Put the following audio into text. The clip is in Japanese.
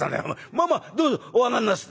『まあまあどうぞお上がんなさい』